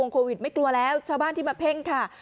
โควิดไม่กลัวแล้วชาวบ้านที่มาเพ่งค่ะ